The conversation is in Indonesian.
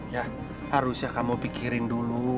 ya harusnya kamu pikirin dulu